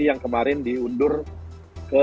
yang kemarin diundang ke